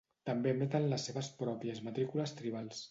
També emeten les seves pròpies matrícules tribals.